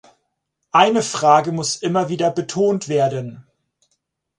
Eine Frage muss immer wieder betont werden.